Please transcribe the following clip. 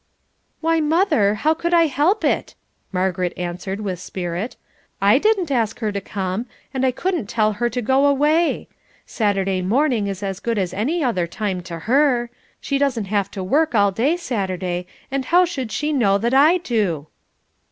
"Why, mother, how could I help it?" Margaret answered with spirit. "I didn't ask her to come, and I couldn't tell her to go away. Saturday morning is as good as any other time to her; she doesn't have to work all day Saturday, and how should she know that I do?"